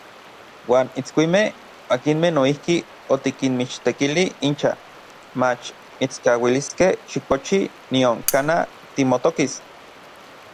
Uan itskuimej, akinmej noijki otikinmichtekili incha, mach mitskauiliskej xikochi nion kanaj timotokis.